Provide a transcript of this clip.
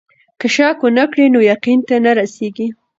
که شک ونه کړې نو يقين ته نه رسېږې.